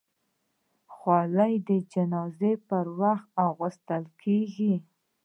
خولۍ د جنازې پر وخت اغوستل کېږي.